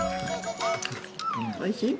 おいしい？